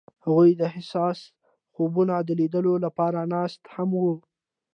هغوی د حساس خوبونو د لیدلو لپاره ناست هم وو.